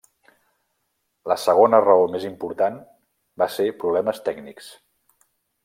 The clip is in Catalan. La segona raó més important va ser problemes tècnics.